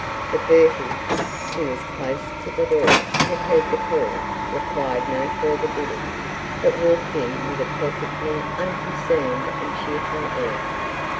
But Bertie, who was close to the door and heard the call, required no further bidding, but walked in with a perfectly unconcerned and cheerful air.